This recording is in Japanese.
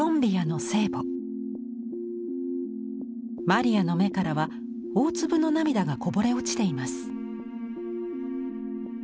マリアの目からは大粒の涙がこぼれ落ちています。